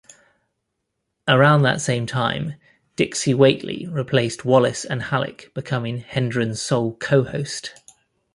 Around that same time, Dixie Whatley replaced Wallace and Hallick, becoming Hendren's sole co-host.